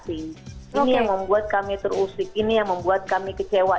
ini yang membuat kami terusik ini yang membuat kami kecewa